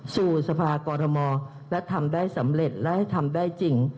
สู่สภากรมและทำได้สำเร็จและให้ทำได้จริง